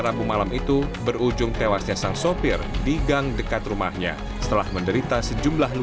rabu malam itu berujung tewasnya sang sopir digang dekat rumahnya setelah menderita sejumlah